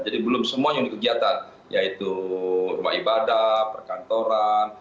jadi belum semua unit kegiatan yaitu rumah ibadah perkantoran